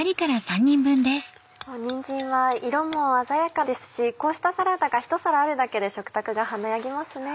にんじんは色も鮮やかですしこうしたサラダがひと皿あるだけで食卓が華やぎますね。